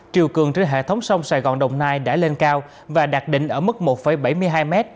triều cường trên hệ thống sông sài gòn đồng nai đã lên cao và đạt đỉnh ở mức một bảy mươi hai m